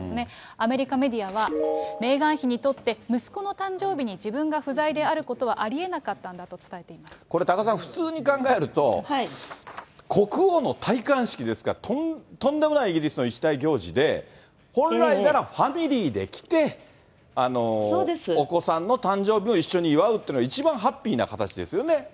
アメリカメディアは、メーガン妃にとって、息子の誕生日に自分が不在であることはありえなかったと伝えていこれ、多賀さん、普通に考えると、国王の戴冠式ですから、とんでもないイギリスの一大行事で、本来ならファミリーで来て、お子さんの誕生日を一緒に祝うっていうのが、一番ハッピーな形ですよね。